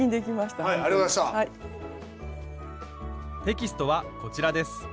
テキストはこちらです。